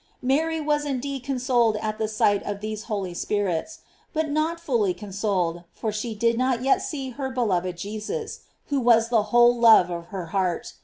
Mary was indeed consoled at the sight of Ihese holy spirits; but not fully consoled, for she did not yet see her beloved Jesus, who was the whole love of her heart.